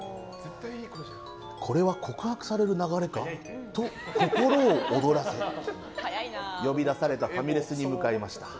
これは告白される流れか？と心を躍らせ呼び出されたファミレスに向かいました。